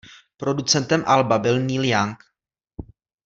Producentem alba byl Neil Young.